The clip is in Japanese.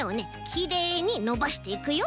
きれいにのばしていくよ。